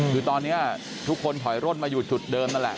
คือตอนนี้ทุกคนถอยร่นมาอยู่จุดเดิมนั่นแหละ